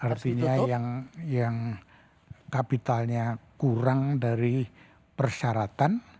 artinya yang kapitalnya kurang dari persyaratan